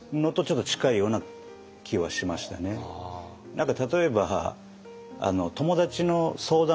何か例えば友達の相談